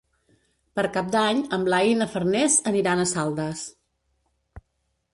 Per Cap d'Any en Blai i na Farners aniran a Saldes.